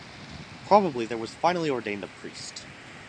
Probably there was finally ordained a priest.